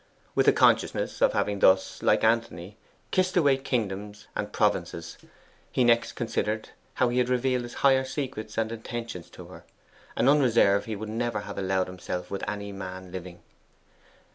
With a consciousness of having thus, like Antony, kissed away kingdoms and provinces, he next considered how he had revealed his higher secrets and intentions to her, an unreserve he would never have allowed himself with any man living.